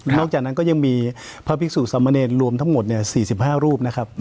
นอกจากนั้นก็ยังมีพระภิกษุสมเนรรวมทั้งหมด๔๕รูปนะครับ